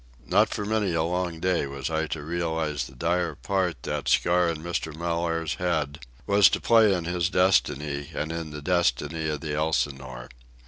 Not for many a long day was I to realize the dire part that scar in Mr. Mellaire's head was to play in his destiny and in the destiny of the Elsinore.